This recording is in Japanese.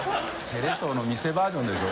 テレ東の店バージョンでしょ？